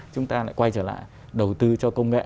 chúng ta lại quay trở lại đầu tư cho công nghệ